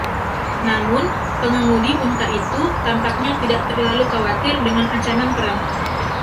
Namun, pengemudi unta itu tampaknya tidak terlalu khawatir dengan ancaman perang.